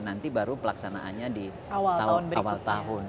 nanti baru pelaksanaannya di awal tahun